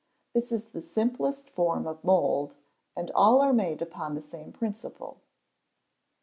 This is the simplest form of mould, and all are made upon the same principle.